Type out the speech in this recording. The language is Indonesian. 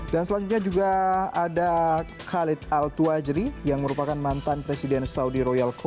selanjutnya juga ada khalid al tuwajri yang merupakan mantan presiden saudi royalku